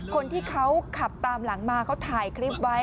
คนที่เขาขับตามหลังมาเขาถ่ายคลิปไว้